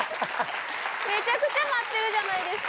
めちゃくちゃ待ってるじゃないですか。